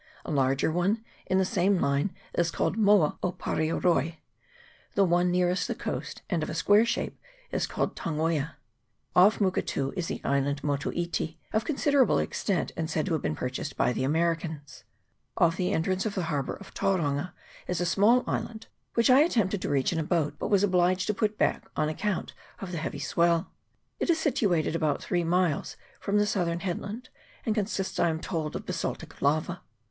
A larger one in the same line is called Moa Opareoroi. The one nearest the coast, and of a square shape, is called Tangoia. Off Muketu is the island Motu iti, of considerable extent, and said to have been purchased by the Americans. Off the entrance of the harbour of Tauranga is a small island, which I attempted to reach in a boat, but was obliged to put back on account of the heavy swell. It is situated about three miles from the southern headland, and con sists, I am told, of basaltic lava.